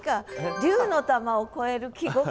「竜の玉」を超える季語感？